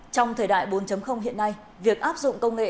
trong thời đại bốn hiện nay việc áp dụng công nghệ